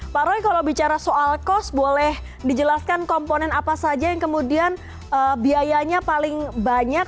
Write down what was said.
pak roy kalau bicara soal kos boleh dijelaskan komponen apa saja yang kemudian biayanya paling banyak